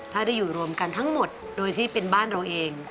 ถ้าได้อยู่รวมกันทั้งหมดโดยที่เป็นบ้านเราเอง